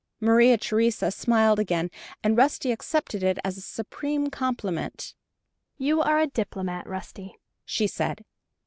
Maria Theresa smiled again, and Rusty accepted it as a supreme compliment. "You are a diplomat, Rusty," she said.